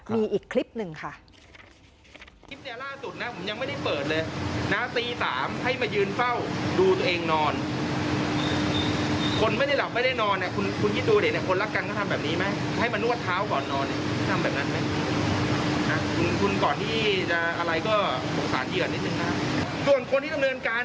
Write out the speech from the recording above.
ดูอีกคลิปหนึ่งค่ะ